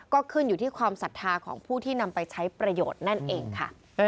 ก็ขึ้นอยู่ที่ความศรัทธาของผู้ที่นำไปใช้ประโยชน์นั่นเองค่ะ